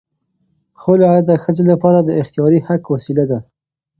خلع د ښځې لپاره د اختیاري حق وسیله ده.